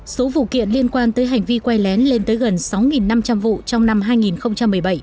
số vụ kiện liên quan tới hành vi quay lén lên tới gần sáu năm trăm linh vụ trong năm hai nghìn một mươi bảy